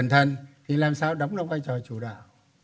thì làm sao đóng đóng vai trò chủ đạo